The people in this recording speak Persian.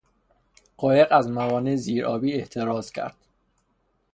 قایق از موانع زیر آبی احتراز کرد.